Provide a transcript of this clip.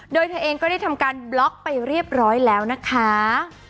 โดยเธอเองก็ได้ทำการบล็อกไปเรียบร้อยแล้วนะคะ